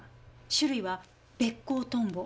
種類はベッコウトンボ。